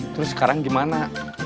terus sekarang gimana